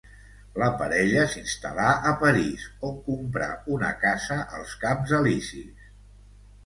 La parella s'instal·la a París on comprà una casa als Camps Elisis.